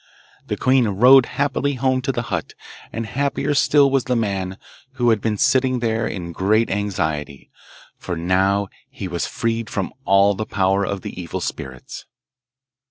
The queen rode happy home to the hut, and happier still was the man, who had been sitting there in great anxiety, for now he was freed from all the power of the evil spirits.